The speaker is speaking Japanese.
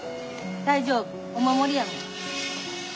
大丈夫お守りやねん。